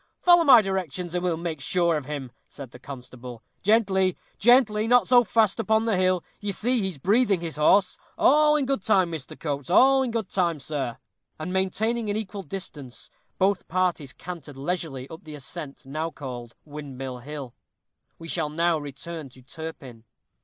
Follow my directions, and we'll make sure of him," said the constable. "Gently, gently, not so fast up the hill you see he's breathing his horse. All in good time, Mr. Coates all in good time, sir." And maintaining an equal distance, both parties cantered leisurely up the ascent now called Windmill Hill. We shall now return to Turpin.